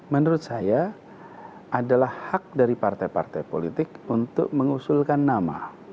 menurut saya adalah hak dari partai partai politik untuk mengusulkan nama